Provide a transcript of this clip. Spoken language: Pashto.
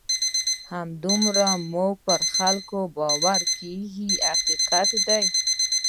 همدومره مو پر خلکو باور کمیږي دا حقیقت دی.